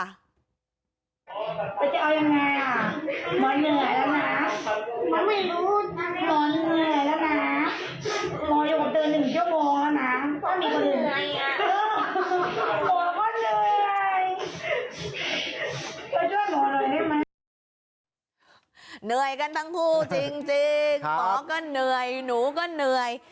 เหนื่อยกันทั้งคู่จริงหมอก็เหนื่อยหนูก็เหนื่อย